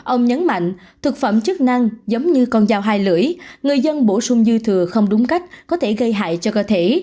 ông nhấn mạnh thực phẩm chức năng giống như con dao hai lưỡi người dân bổ sung dư thừa không đúng cách có thể gây hại cho cơ thể